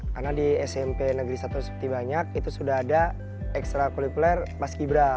karena di smp negeri satu seperti banyak itu sudah ada ekstra kulikuler pask ibra